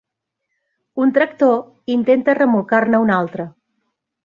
Un tractor intenta remolcar-ne un altre